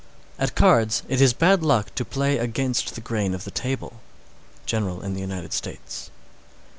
_ 609. At cards, it is bad luck to play against the grain of the table. _General in the United States.